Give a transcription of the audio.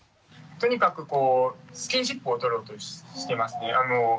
とにかくこうスキンシップをとろうとしてますね。